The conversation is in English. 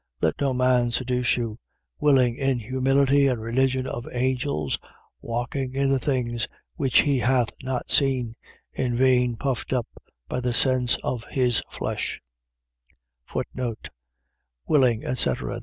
2:18. Let no man seduce you, willing in humility and religion of angels, walking in the things which he hath not seen, in vain puffed up by the sense of his flesh: Willing, etc. ..